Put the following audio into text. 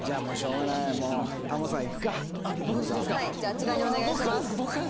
あちらにお願いします。